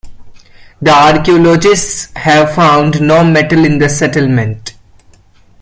The archaeologists have found no metal in the settlement.